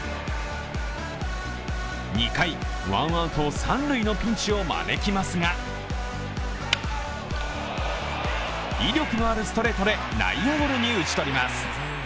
２回、ワンアウト三塁のピンチを招きますが威力のあるストレートで内野ゴロに打ち取ります。